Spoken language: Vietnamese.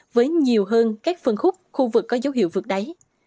với nhiều hơn các phân khúc khu vực có dấu hiệu vượt đáy